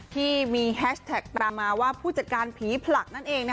ที่มีแฮชแท็กประมาณว่าผู้จัดการผีผลักนั่นเอง